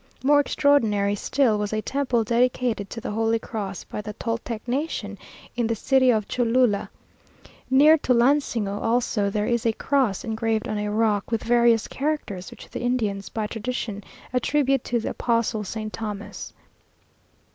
More extraordinary still was a temple dedicated to the Holy Cross by the Toltec nation in the city of Cholula. Near Tulansingo also, there is a cross engraved on a rock, with various characters, which the Indians by tradition attribute to the apostle Saint Thomas.